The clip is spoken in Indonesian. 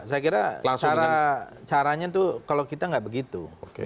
saya kira caranya itu kalau kita nggak begitu